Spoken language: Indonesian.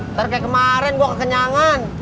ntar kayak kemarin gue kekenyangan